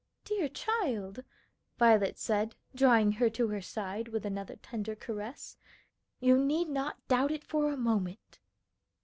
"Dear child," Violet said, drawing her to her side with another tender caress, "you need not doubt it for a moment."